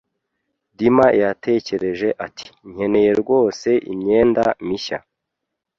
Dima yatekereje ati: "Nkeneye rwose imyenda mishya."